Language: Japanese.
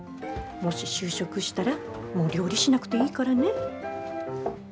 もし就職したらもう料理しなくていいからね。